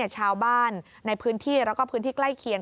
ชาวบ้านในพื้นที่แล้วก็พื้นที่ใกล้เคียง